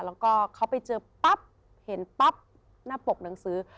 แล้วก็เขาไปเจอปั๊บเห็นปั๊บหน้าปกหนังสือ